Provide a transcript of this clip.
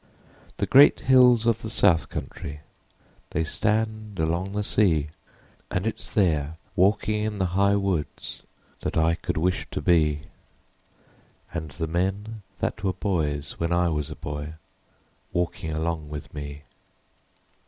• The great hills of the South Country They stand along the sea ; And it's there walking in the high woods That I could wish to be, And the men that were boys when I was a boy Walking along with me.